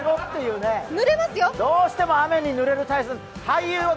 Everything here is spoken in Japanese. どうしても雨にぬれる体質が。